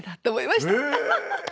ハハハハ！